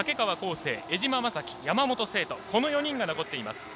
生江島雅紀、山本聖途この４人が残っています。